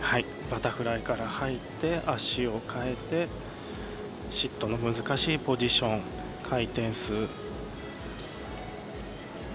バタフライから入って足を換えてシットの難しいポジション、回転数。